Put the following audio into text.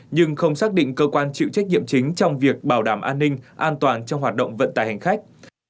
nhưng không xác định cơ quan chịu trách nhiệm chính trong việc bảo đảm an ninh an toàn trong hoạt động vận tải hành khách